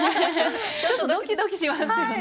ちょっとドキドキしますよね。